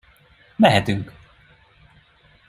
Mehetünk!